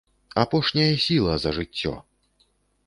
Апошняя сіла за жыццё.